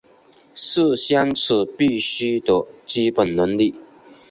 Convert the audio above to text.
是相处必须的基本能力